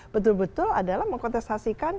betul betul adalah mengkontestasikan